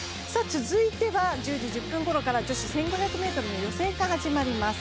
続いては１０時１０分ごろから女子１５００ｍの予選が始まります。